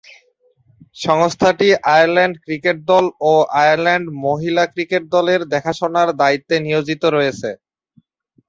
সংস্থাটি Ireland cricket দল ও আয়ারল্যান্ড মহিলা ক্রিকেট দলের দেখাশোনার দায়িত্বে নিয়োজিত রয়েছে।